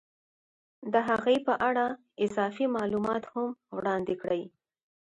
د هغې په اړه اضافي معلومات هم وړاندې کړي